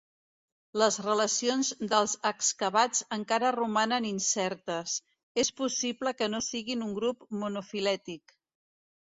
Les relacions dels excavats encara romanen incertes; és possible que no siguin un grup monofilètic.